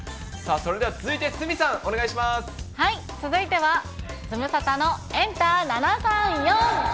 それでは続いて、鷲見さんお続いてはズムサタのエンタ７３４。